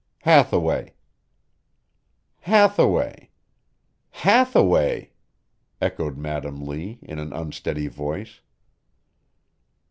"Hathaway." "Hathaway! Hathaway!" echoed Madam Lee in an unsteady voice.